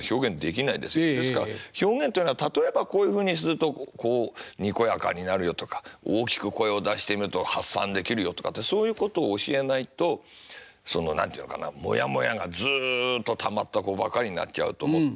ですから表現っていうのは例えばこういうふうにするとこうにこやかになるよとか大きく声を出してみると発散できるよとかってそういうことを教えないとその何て言うのかなもやもやがずっとたまった子ばかりになっちゃうと思って。